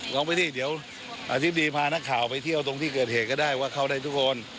ลองไปดิเดี๋ยวอธิบดีพานักข่าวไปเที่ยวตรงที่เกิดเหตุก็ได้ว่าเข้าได้ทุกคน